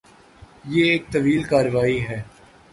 یہ ایک طویل کارروائی ہے۔